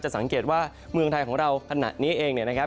จะสังเกตว่าเมืองไทยของเราขนาดนี้เองนะครับ